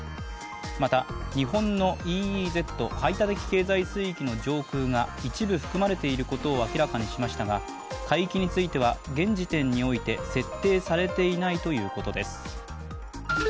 また、日本のＥＥＺ＝排他的経済水域の上空が一部含まれていることを明らかにしましたが海域については現時点において設定されていないということです。